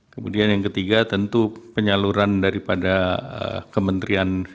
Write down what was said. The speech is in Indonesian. kemudian yang ketiga tentu penyaluran daripada kementerian